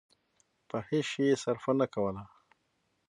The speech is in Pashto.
په هېڅ شي يې صرفه نه کوله.